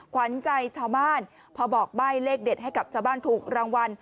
ขวัญใจชาวบ้านพอบอกใบ้เลขเด็ดให้กับชาวบ้านถูกรางวัล